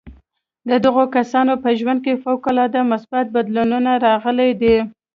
د دغو کسانو په ژوند کې فوق العاده مثبت بدلون راغلی دی